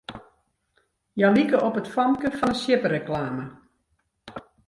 Hja like op it famke fan 'e sjippereklame.